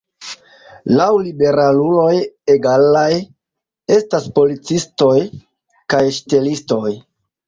Laŭ liberaluloj, egalaj estas policistoj kaj ŝtelistoj.